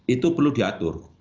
itu perlu diatur